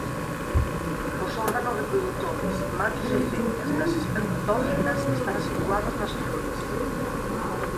Os órganos reprodutores machos e femias das espermatófitas están situados nas flores.